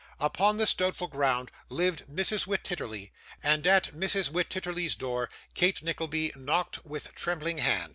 Upon this doubtful ground, lived Mrs. Wititterly, and at Mrs. Wititterly's door Kate Nickleby knocked with trembling hand.